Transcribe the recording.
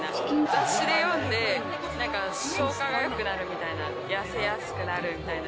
雑誌で読んで、なんか、消化がよくなるみたいな、痩せやすくなるみたいな。